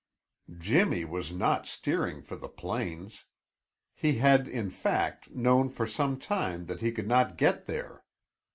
Jimmy was not steering for the plains; he had, in fact, known for some time that he could not get there.